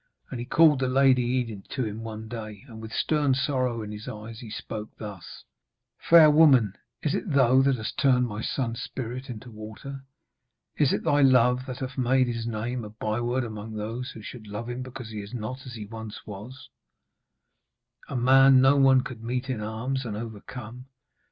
And he called the Lady Enid to him one day, and with stern sorrow in his eyes spoke thus: 'Fair woman, is it thou that hast turned my son's spirit into water? Is it thy love that hath made his name a byword among those who should love him because he is not as he once was a man no one could meet in arms and overcome?